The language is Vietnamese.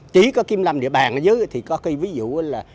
chỉ có kiểm lâm địa bàn ở dưới thì có cái ví dụ là